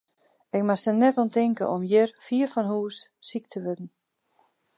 Ik moast der net oan tinke om hjir, fier fan hús, siik te wurden.